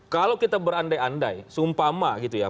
kalau kita berandai andai sumpah mah gitu ya